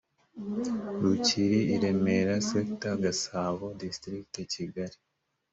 rukiri ii remera sector gasabo district kigali